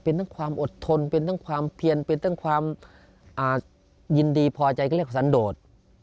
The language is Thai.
เป็นทั้งความอดทนเป็นทั้งความเพียนเป็นทั้งความยินดีพอใจก็เรียกสันโดด